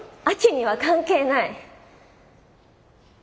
亜紀には関係ない。